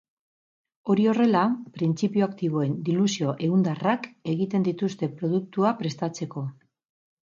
Hori horrela, printzipio aktiboen diluzio ehundarrak egiten dituzte produktua prestatzeko.